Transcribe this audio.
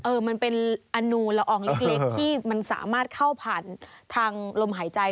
มันเป็นอนูลละอองเล็กที่มันสามารถเข้าผ่านทางลมหายใจ